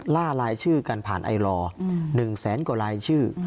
ล่าลายชื่อกันผ่านไอลอร์๑แสนกว่ารายชื่อ